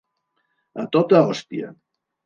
A tota hòstia.